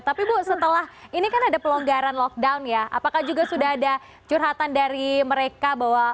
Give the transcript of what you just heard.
tapi bu setelah ini kan ada pelonggaran lockdown ya apakah juga sudah ada curhatan dari mereka bahwa